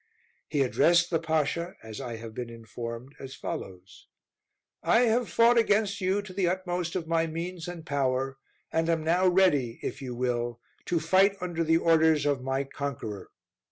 He addressed the Pasha, as I have been informed, as follows: "I have fought against you to the utmost of my means and power, and am now ready, if you will, to fight under the orders of my conqueror."